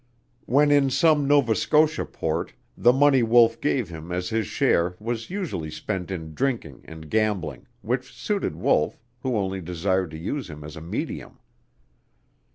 When in some Nova Scotia port the money Wolf gave him as his share was usually spent in drinking and gambling, which suited Wolf, who only desired to use him as a medium.